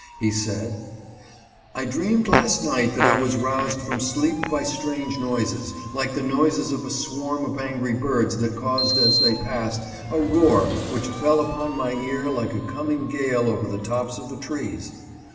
He said :" I dreamed last night that I was roused from sleep by strange noises, like the noises of a swarm of angry birds that caused as they passed, a roar which fell upon my ear like a coming gale over the tops of the trees.